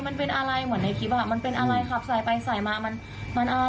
เหมือนในคลิปมันเป็นอะไรขับใส่ไปใส่มามันอะไร